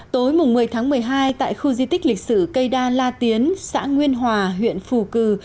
tối một mươi tháng một mươi hai tại khu di tích lịch sử cây đa la tiến xã nguyên hòa huyện phù cử